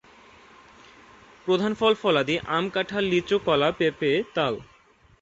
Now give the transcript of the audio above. প্রধান ফল-ফলাদিব আম, কাঁঠাল, লিচু, কলা, পেঁপে, তাল।